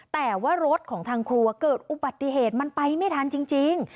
แต่ว่ารถของทางครัวเกิดอุบัติเหตุมันไปไม่ทันจริง